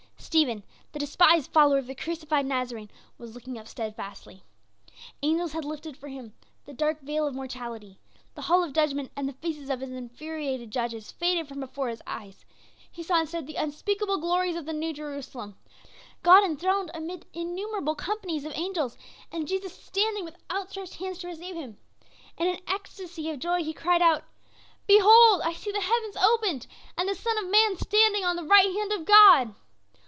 Stephen, the despised follower of the crucified Nazarene, was looking up steadfastly. Angels had lifted for him the dark veil of mortality; the hall of judgment and the faces of his infuriated judges faded from before his eyes; he saw instead the unspeakable glories of the New Jerusalem, God enthroned amid innumerable companies of angels, and Jesus standing with outstretched hands to receive him. In an ecstasy of joy he cried out: "Behold, I see the heavens opened, and the Son of Man standing on the right hand of God!"